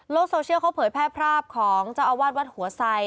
โซเชียลเขาเผยแพร่ภาพของเจ้าอาวาสวัดหัวไซ